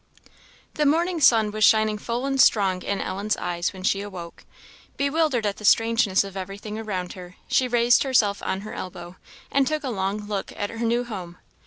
The morning sun was shining full and strong in Ellen's eyes when she awoke. Bewildered at the strangeness of everything around her, she raised herself on her elbow, and took a long look at her new home.